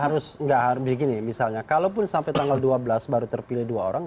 harus nggak harus begini misalnya kalaupun sampai tanggal dua belas baru terpilih dua orang